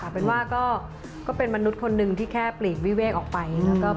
เป็นว่าก็เป็นมนุษย์คนหนึ่งที่แค่ปลีกวิเวกออกไป